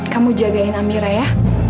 kamu jagain amira ya